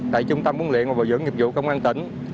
tại trung tâm huấn luyện và bồi dưỡng nghiệp vụ công an tỉnh